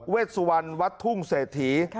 เวชวันวัดทุ่งเศรษฐี